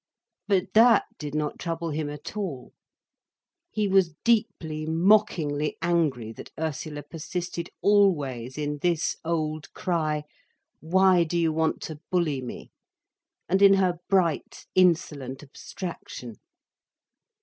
But that did not trouble him at all. He was deeply, mockingly angry that Ursula persisted always in this old cry: "Why do you want to bully me?" and in her bright, insolent abstraction.